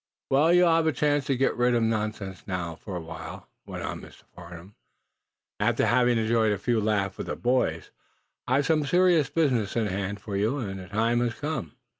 "Well, you'll have a chance to get rid of nonsense, now, for a while," went on Mr. Farnum, after having enjoyed a few laughs with the boys. "I've some serious business in hand for you, and the time has come."